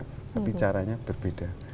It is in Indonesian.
tapi caranya berbeda